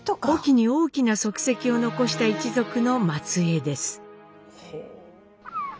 隠岐に大きな足跡を残した一族の末えいです。